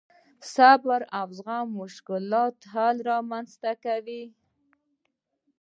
صبر او زغم د مشکلاتو حل رامنځته کوي.